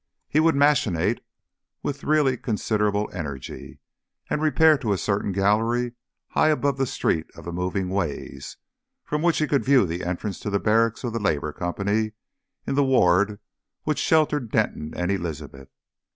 He would machinate with really considerable energy, and repair to a certain gallery high above the street of moving ways, from which he could view the entrance to the barrack of the Labour Company in the ward which sheltered Denton and Elizabeth.